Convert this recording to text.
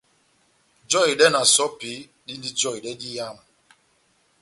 Jɛhedɛ na sɔ́pi dindi jɔhedɛ diyamu.